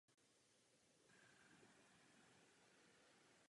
Tanci a herectví se věnovala již od dětství.